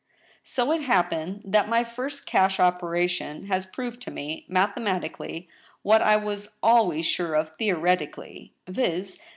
" So it happened that my first cash operation has proved to me, mathematically, what I was always sure of theoretically, viz.